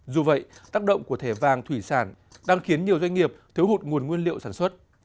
dù vậy tác động của thẻ vàng thủy sản đang khiến nhiều doanh nghiệp thiếu hụt nguồn nguyên liệu sản xuất